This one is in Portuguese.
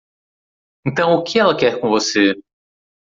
Então o que ela quer com você?